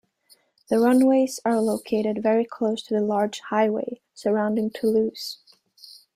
The runways are located very close to the large highway surrounding Toulouse.